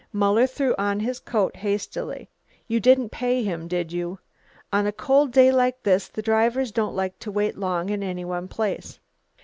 Muller threw on his coat hastily. "You didn't pay him, did you? On a cold day like this the drivers don't like to wait long in any one place."